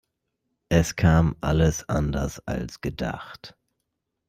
Es kam alles anders als gedacht.